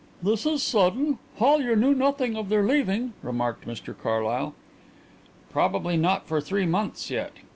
"This is sudden; Hollyer knew nothing of their leaving," remarked Mr Carlyle. "Probably not for three months yet.